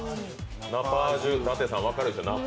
ナパージュ、舘様分かるでしょ？